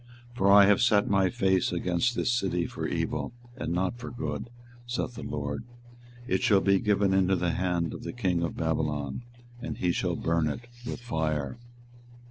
24:021:010 For I have set my face against this city for evil, and not for good, saith the LORD: it shall be given into the hand of the king of Babylon, and he shall burn it with fire.